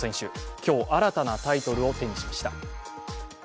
今日新たなタイトルを手にしました。